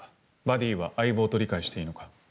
バディーは相棒と理解していいのか。